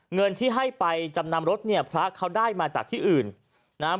เงินที่ให้ไปจำนำรถเนี่ยพระเขาได้มาจากที่อื่นนะครับ